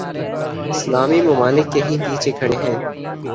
اسلامی ممالک کہیں پیچھے کھڑے ہیں۔